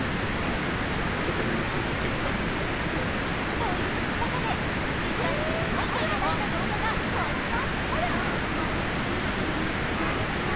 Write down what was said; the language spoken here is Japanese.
ということで、実際に描いていただいた動画がこちら。